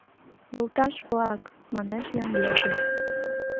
— Йолташ-влак! — манеш Янгелде.